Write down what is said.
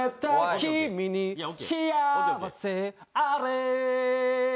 「君に幸せあれ！」